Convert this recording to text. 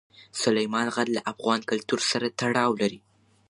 سلیمان غر له افغان کلتور سره تړاو لري.